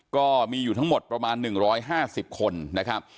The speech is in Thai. ก็มีอยู่ทั้งหมดประมาณ๑๕๐คนนะครับ